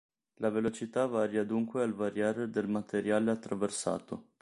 La velocità varia dunque al variare del materiale attraversato.